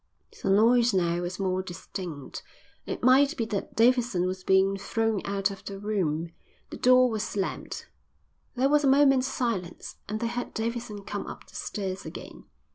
The noise now was more distinct. It might be that Davidson was being thrown out of the room. The door was slammed. There was a moment's silence and they heard Davidson come up the stairs again.